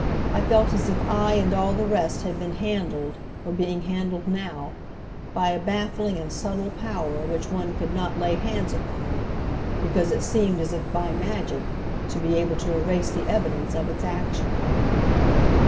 I felt as if I and all the rest had been handled, were being handled now, by a baffling and subtle power which one could not lay hands upon, because it seemed, as if by magic, to be able to erase the evidence of its action.